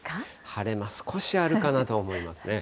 晴れ間、少しあるかなと思いますね。